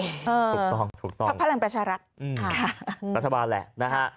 ถูกต้องถูกต้องพักพลังประชารัฐรัฐบาลแหละนะฮะ